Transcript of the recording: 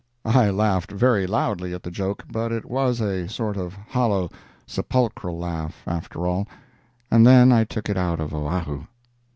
'" I laughed very loudly at the joke, but it was a sort of hollow, sepulchral laugh, after all. And then I took it out of Oahu.